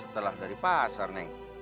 telah dari pasar neng